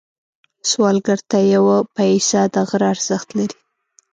سوالګر ته یو پيسه د غره ارزښت لري